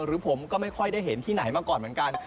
หรือผมก็ไม่ค่อยได้เห็นที่ไหนมาก่อนเหมือนกัน